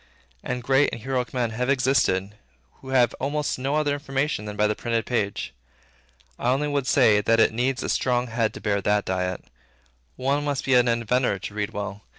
And great and heroic men have existed, who had almost no other information than by the printed page. I only would say, that it needs a strong head to bear that diet. One must be an inventor to read well.